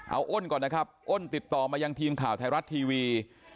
เอาอ้นก่อนนะครับอ้นติดต่อมายังทีมข่าวไทยรัฐทีวี